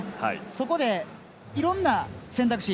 そこでいろんな選択肢